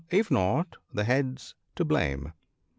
If not, the Head's to blame."